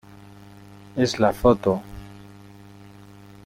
es la foto...